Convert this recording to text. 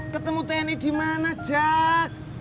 ketemu tni dimana jack